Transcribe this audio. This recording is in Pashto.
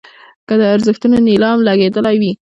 که د ارزښتونو نیلام لګېدلی وي.